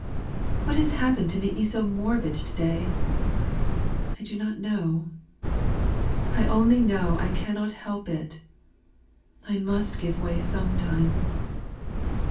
What has happened to make me so morbid to day? I do not know. I only know I cannot help it. I must give way sometimes.